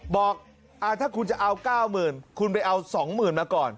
บอกถ้าคุณจะเอา๙๐๐๐คุณไปเอา๒๐๐๐มาก่อน